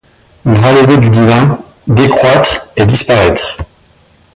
Bras levés du devin, décroître et disparaître